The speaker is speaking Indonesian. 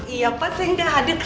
iya pak saya gak hadir